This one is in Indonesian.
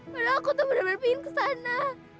padahal aku tuh bener bener pengen ke sana